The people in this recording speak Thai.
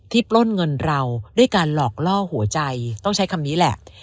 ปล้นเงินเราด้วยการหลอกล่อหัวใจต้องใช้คำนี้แหละ